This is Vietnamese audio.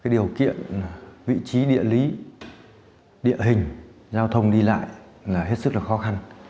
điều kiện vị trí địa lý địa hình giao thông đi lại là hết sức khó khăn